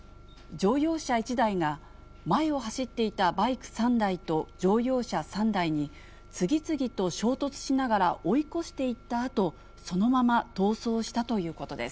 乗用車１台が、前を走っていたバイク３台と乗用車３台に、次々と衝突しながら追い越していったあと、そのまま逃走したということです。